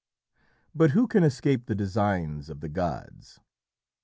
But who can escape the designs of the gods?